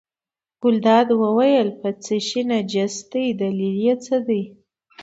ګلداد وویل په څه شي نجس دی دلیل یې څه دی.